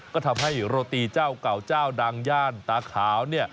ก็ทำให้โรตีเจ้าเก่าเจ้าดังย่านตาขาวเนี่ย